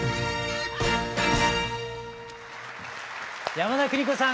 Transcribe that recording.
山田邦子さん